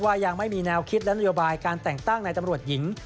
ยังไม่มีแนวคิดและนโยบายการแต่งตั้งในตำรวจหญิง